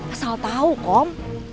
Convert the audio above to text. asal tau kong